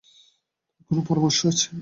তোমার কোনো পরামর্শ আছে?